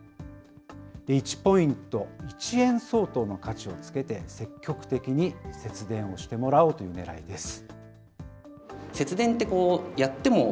１ポイント１円相当の価値をつけて、積極的に節電してもらおうというねらいです。